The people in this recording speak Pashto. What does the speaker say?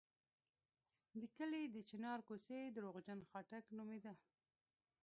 د کلي د چنار کوڅې درواغجن خاټک نومېده.